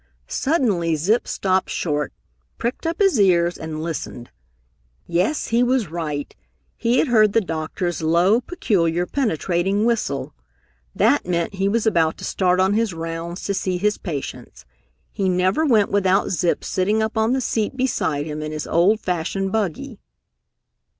Suddenly Zip stopped short, pricked up his ears and listened. Yes, he was right! He had heard the doctor's low, peculiar, penetrating whistle. That meant he was about to start on his rounds to see his patients. He never went without Zip sitting up on the seat beside him in his old fashioned buggy.